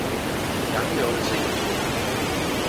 洋流的性質